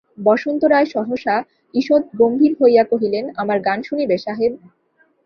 বসন্ত রায় সহসা ঈষৎ গম্ভীর হইয়া কহিলেন, আমার গান শুনিবে সাহেব?